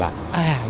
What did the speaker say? và bắt được